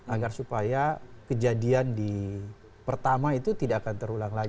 agar supaya kejadian di pertama itu tidak akan terulang lagi